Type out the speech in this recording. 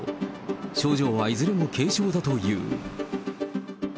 症状はいずれも軽症だという。